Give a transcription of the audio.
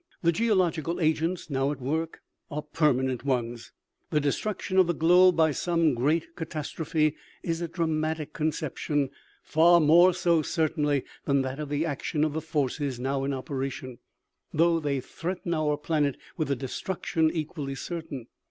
The geological agents now at work are per manent ones. " The destruction of the globe by some great catas trophe is a dramatic conception ; far more so, certainly, than that of the action of the forces now in operation, though they threaten our planet with a destruction equally certain.